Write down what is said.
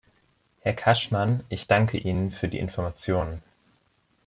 Herr Cashman, ich danke Ihnen für die Information.